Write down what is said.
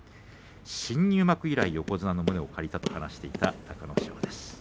新入幕以来、横綱の胸を借りたと話していた隆の勝です。